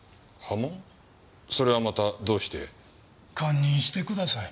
それはまたどうして？堪忍してください。